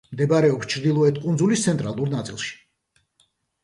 მდებარეობს ჩრდილოეთი კუნძულის ცენტრალურ ნაწილში.